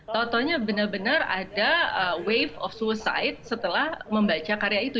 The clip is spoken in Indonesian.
tau taunya benar benar ada wave of suicide setelah membaca karya itu